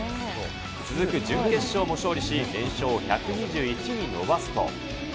続く準決勝も勝利し、連勝を１２１に伸ばすと。